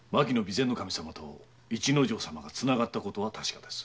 前守様と市之丞様がつながったことは確かです。